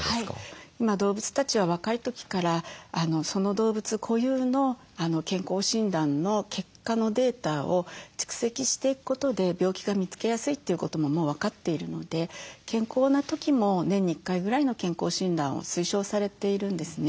今動物たちは若い時からその動物固有の健康診断の結果のデータを蓄積していくことで病気が見つけやすいということももう分かっているので健康な時も年に１回ぐらいの健康診断を推奨されているんですね。